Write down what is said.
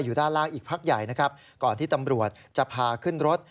ด้านล่างอีกพักใหญ่นะครับก่อนที่ตำรวจจะพาขึ้นรถ